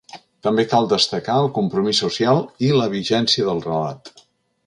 També cal destacar el compromís social i la vigència del relat.